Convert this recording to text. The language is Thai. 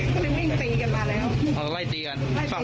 คงเลยวิ่งตีกันมาแล้ว